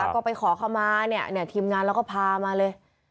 ก็ไปขอเข้ามาทีมงานเราก็พามาเลย